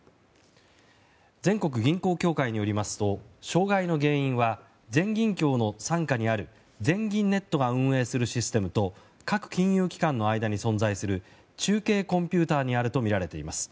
全国銀行協会によりますと障害の原因は全銀協の傘下にある全銀ネットが運営するシステムと各金融機関の間に存在する中継コンピューターにあるとみられています。